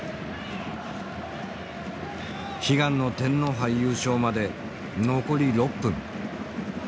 悲願の天皇杯優勝まで残り６分。